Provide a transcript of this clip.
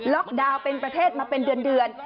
ดาวน์เป็นประเทศมาเป็นเดือน